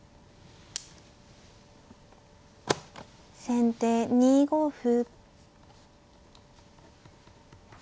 先手２五歩。